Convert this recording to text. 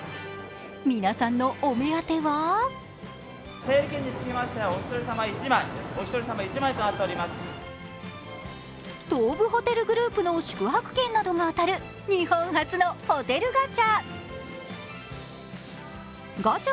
皆さんのお目当ては東武ホテルグループの宿泊券などが当たる日本初のホテルガチャ。